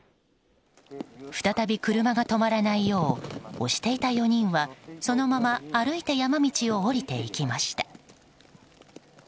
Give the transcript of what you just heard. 再び車が止まらないよう押していた４人はそのまま歩いて山道を下りていきました。